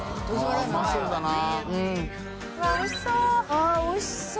わっおいしそう！